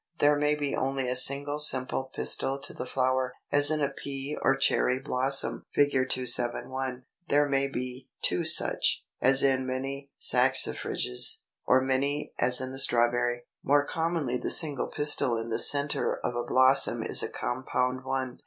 There may be only a single simple pistil to the flower, as in a Pea or Cherry blossom (Fig. 271); there may be two such, as in many Saxifrages; or many, as in the Strawberry. More commonly the single pistil in the centre of a blossom is a compound one.